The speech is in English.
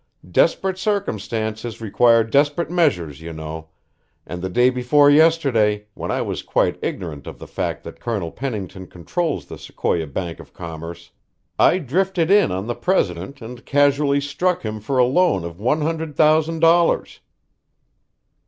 Desperate circumstances require desperate measures you know, and the day before yesterday, when I was quite ignorant of the fact that Colonel Pennington controls the Sequoia Bank of Commerce, I drifted in on the president and casually struck him for a loan of one hundred thousand dollars."